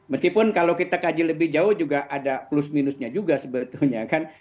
meskipun kalau kita kaji lebih jauh juga ada plus minusnya juga sebetulnya kan